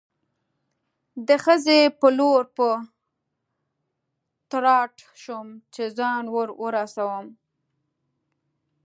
د خزې په لور په تراټ شوم، چې ځان ور ورسوم.